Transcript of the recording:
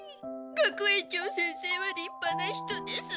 学園長先生は立派な人です。